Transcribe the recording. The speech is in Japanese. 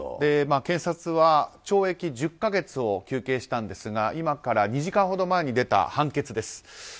検察は懲役１０か月を求刑したんですが今から２時間ほど前に出た判決です。